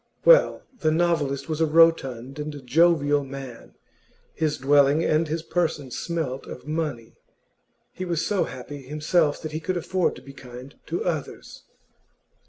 Well, the novelist was a rotund and jovial man; his dwelling and his person smelt of money; he was so happy himself that he could afford to be kind to others.